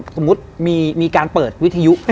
สมมุติมีการเปิดวิทยุ